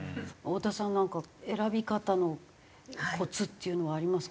太田さんなんか選び方のコツっていうのはありますかね？